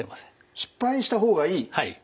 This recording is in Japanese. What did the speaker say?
失敗した方がいい？